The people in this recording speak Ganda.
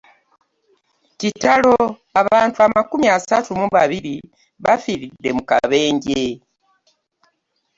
Kitalo! Abantu amakumi asatu mu babiri bafiiridde mu kabenje